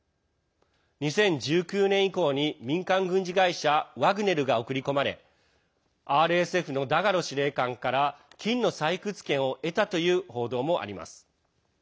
２０１９年以降に民間軍事会社ワグネルが送り込まれＲＳＦのダガロ司令官から金の採掘権を得たという報道もあります。